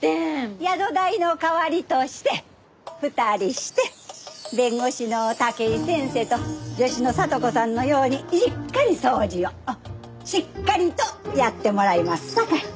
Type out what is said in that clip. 宿代の代わりとして２人して弁護士の武井先生と助手の聡子さんのようにしっかり掃除をしっかりとやってもらいますさかい。